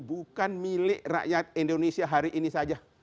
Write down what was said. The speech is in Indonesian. bukan milik rakyat indonesia hari ini saja